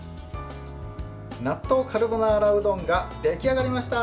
納豆カルボナーラうどんが出来上がりました！